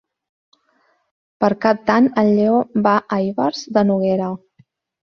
Per Cap d'Any en Lleó va a Ivars de Noguera.